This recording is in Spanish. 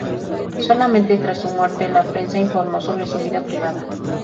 Solamente tras su muerte la prensa informó sobre su vida privada.